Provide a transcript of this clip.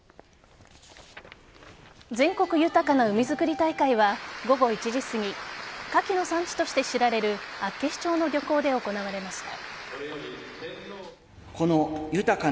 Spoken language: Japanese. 全国豊かな海づくり大会は午後１時すぎカキの産地として知られる厚岸町の漁港で行われました。